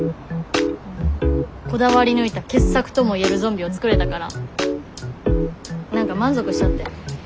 こだわり抜いた傑作とも言えるゾンビを作れたから何か満足しちゃって。